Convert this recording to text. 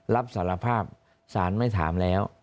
รับสารภาพสารไม่ถามแล้ว